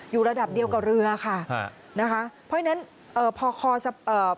ระดับเดียวกับเรือค่ะฮะนะคะเพราะฉะนั้นเอ่อพอคอจะเอ่อ